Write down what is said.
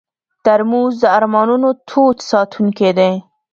ترموز د ارمانونو تود ساتونکی دی.